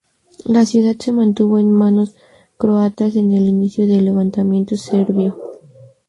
La ciudad se mantuvo en manos croatas en el inicio del levantamiento serbio.